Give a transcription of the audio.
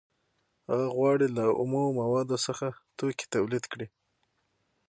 هغه غواړي له اومو موادو څخه توکي تولید کړي